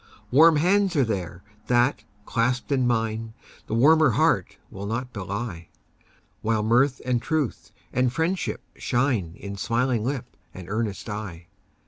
Warm hands are there, that, clasped in mine, The warmer heart will not belie; While mirth, and truth, and friendship shine In smiling lip and earnest eye.